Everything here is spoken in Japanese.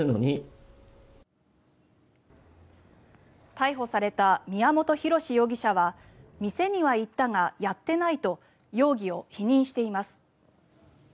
逮捕された宮本浩志容疑者は店には行ったがやってないと容疑を否認しています。